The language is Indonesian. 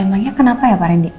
emangnya kenapa ya pak randy